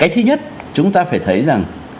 cái thứ nhất chúng ta phải thấy rằng